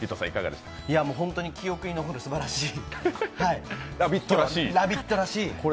本当に記憶に残るすばらしい、「ラヴィット！」らしい。